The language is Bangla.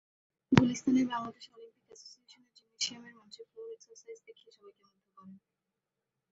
গুলিস্তানের বাংলাদেশ অলিম্পিক অ্যাসোসিয়েশনের জিমনেশিয়ামের মঞ্চে ফ্লোর এক্সারসাইজ দেখিয়ে সবাইকে মুগ্ধ করেন।